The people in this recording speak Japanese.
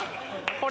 これ。